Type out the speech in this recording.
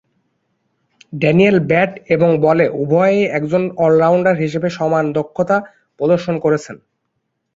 Daniel bat এবং বলে উভয়েই একজন অল-রাউন্ডার হিসেবে সমান দক্ষতা প্রদর্শন করেছেন।